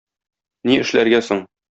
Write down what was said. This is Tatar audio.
Ни эшләргә соң?